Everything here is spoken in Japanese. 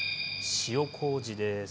塩こうじです。